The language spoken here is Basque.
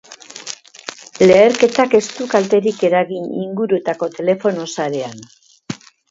Leherketak ez du kalterik eragin inguruetako telefono-sarean.